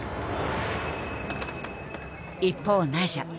一方ナイジャ。